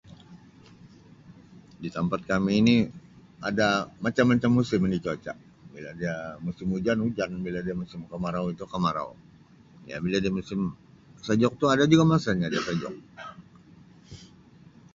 Di tempat kami ini ada macam-macam musim ini cuaca, bila dia musim ujan, ujan. Bila dia musim kemarau itu kemarau. Iya, bila dia musim sejuk itu ada juga masanya dia sejuk